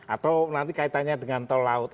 atau nanti kaitannya dengan tol laut